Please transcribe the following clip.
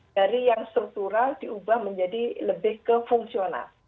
dari yang struktural diubah menjadi lebih ke fungsional